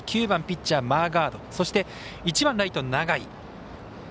９番ピッチャー、マーガードそして、１番ライト永井。